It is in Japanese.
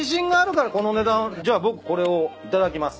じゃあ僕これを頂きます。